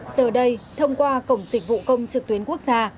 giờ đây thông qua cổng dịch vụ công trực tuyến quốc gia